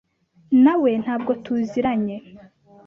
nawe ntabwo tuziranye.